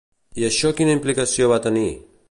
I això quina implicació va tenir?